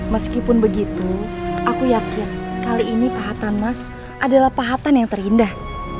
meskipun begitu aku yakin kali ini pahatan mas adalah pahatan yang terindah